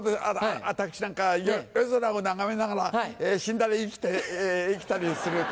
私なんか夜空を眺めながら死んだり生きて生きたりする七夕。